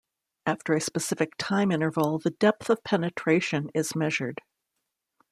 After a specific time interval the depth of penetration is measured.